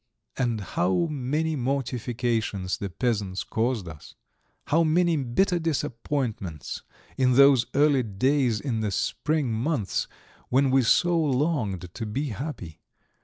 And how many mortifications the peasants caused us! How many bitter disappointments in those early days in the spring months, when we so longed to be happy.